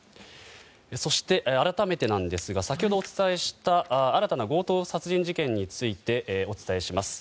改めてですが、先ほどお伝えした新たな強盗殺人事件についてお伝えします。